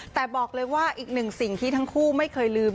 แต่บอกเลยว่าอีกหนึ่งสิ่งที่ทั้งคู่ไม่เคยลืม